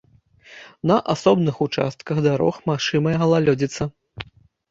На асобных участках дарог магчымая галалёдзіца.